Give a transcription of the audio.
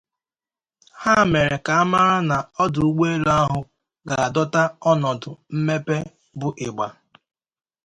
Ha mere ka a mara na ọdụ ụgbọelu ahụ ga-adọta ọnọdụ mmepe bụ ịgbà